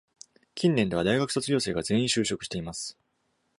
近年では、大学卒業生が全員就職しています。